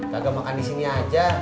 kagak makan di sini aja